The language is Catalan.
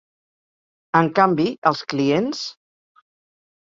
En canvi, els clients...